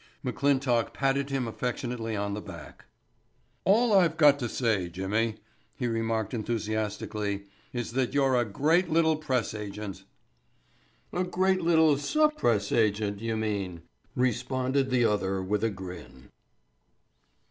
McClintock patted him affectionately on the back. "All I've got to say, Jimmy," he remarked enthusiastically, "is that you're a great little press agent." "I'm a great little sup press agent, you mean," responded the other with a grin.